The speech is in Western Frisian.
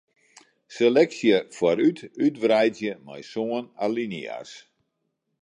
Seleksje foarút útwreidzje mei sân alinea's.